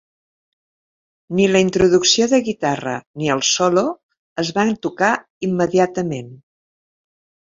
Ni la introducció de guitarra ni el solo es van tocar immediatament.